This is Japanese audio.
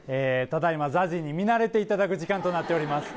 ただいまＺＡＺＹに見慣れていただく時間となっております